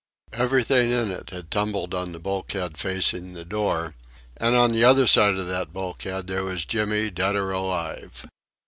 Everything in it had tumbled on the bulkhead facing the door, and on the other side of that bulkhead there was Jimmy dead or alive.